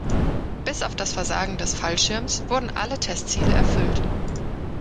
Bis auf das Versagen des Fallschirms wurden alle Testziele erfüllt.